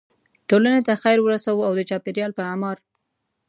ټولنې ته خیر ورسوو او د چاپیریال په اعمار.